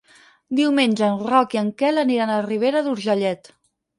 Diumenge en Roc i en Quel aniran a Ribera d'Urgellet.